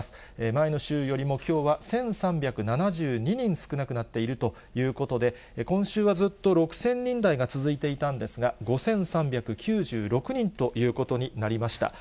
前の週よりもきょうは１３７２人少なくなっているということで、今週はずっと６０００人台が続いていたんですが、５３９６人ということになりました。